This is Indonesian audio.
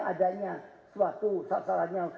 adanya suatu sasarannya